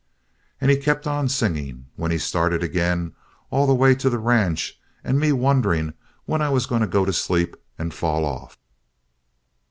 "And he kept on singing, when he started again, all the way to the ranch and me wondering when I was going to go to sleep and fall off.